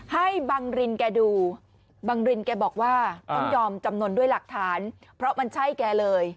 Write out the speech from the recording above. ให้บังรินแกดูบังรินแกบอกว่าต้องยอมจำนวนด้วยหลักฐานเพราะมันใช่แกเลย